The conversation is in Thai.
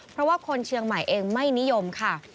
เพราะว่าคนเชียงใหม่เองไม่นิยมค่ะ